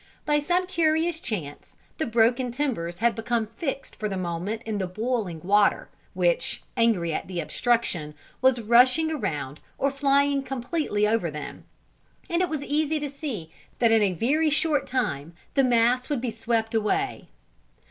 By some curious chance, the broken timbers had become fixed for the moment in the boiling water, which, angry at the obstruction, was rushing round or flying completely over them; and it was easy to see that in a very short time the mass would be swept away.